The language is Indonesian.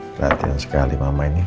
perhatian sekali mama ini